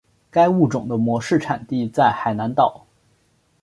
该物种的模式产地在海南岛。